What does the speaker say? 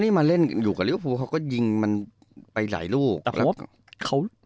นี่มาเล่นอยู่กับริวพุมันยิงไปหลายลูก